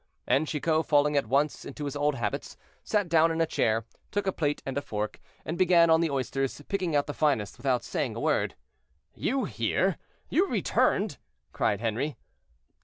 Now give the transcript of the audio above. And Chicot, falling at once into his old habits, sat down in a chair, took a plate and a fork, and began on the oysters, picking out the finest, without saying a word. "You here! you returned!" cried Henri.